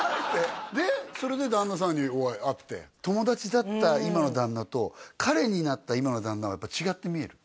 でそれで旦那さんに会って友達だった今の旦那と彼になった今の旦那はやっぱ違って見える？